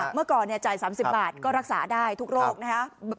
เมื่อก่อนเนี้ยจ่ายสามสิบบาทก็รักษาได้ทุกโลกนะฮะ